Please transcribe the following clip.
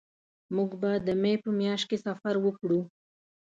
مونږ به د مې په میاشت کې سفر وکړو